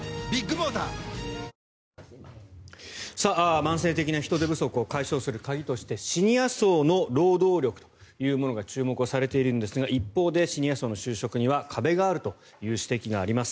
慢性的な人手不足を解消する鍵としてシニア層の労働力というものが注目されているんですが一方で、シニア層の就職には壁があるという指摘があります。